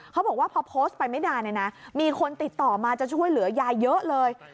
เขาบอกว่าพอโพสต์ไปไม่นานเนี่ยนะมีคนติดต่อมาจะช่วยเหลือยายเยอะเลย